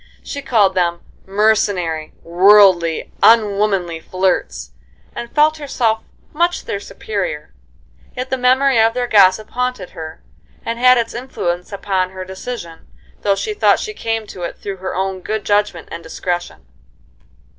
She called them "mercenary, worldly, unwomanly flirts," and felt herself much their superior. Yet the memory of their gossip haunted her, and had its influence upon her decision, though she thought she came to it through her own good judgment and discretion.